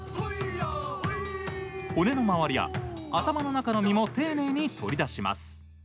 骨の周りや頭の中の身も丁寧に取り出します。